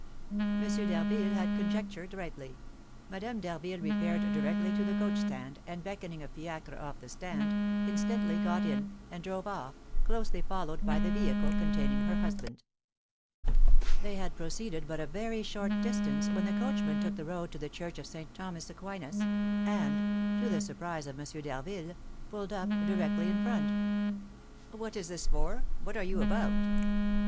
M. d'Harville had conjectured rightly. Madame d'Harville repaired directly to the coach stand, and beckoning a fiacre off the stand, instantly got in, and drove off, closely followed by the vehicle containing her husband. They had proceeded but a very short distance, when the coachman took the road to the church of St. Thomas Aquinas, and, to the surprise of M. d'Harville, pulled up directly in front. "What is this for? What are you about?"